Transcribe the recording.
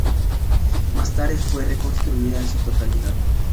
Más tarde fue reconstruida en su totalidad.